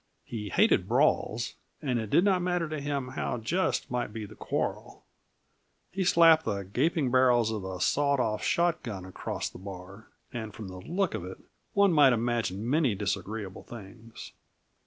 He hated brawls, and it did not matter to him how just might be the quarrel; he slapped the gaping barrels of a sawed off shotgun across the bar and from the look of it one might imagine many disagreeable things.